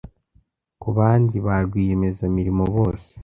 ku bandi ba rwiyemezamirimo bose